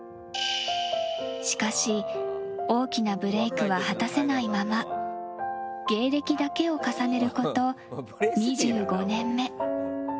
しかし、大きなブレークは果たせないまま芸歴だけを重ねること２５年目。